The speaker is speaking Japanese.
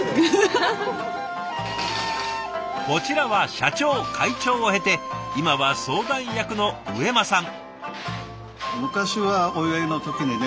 こちらは社長会長を経て今は相談役の上間さん。